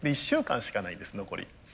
１週間しかないんです残り。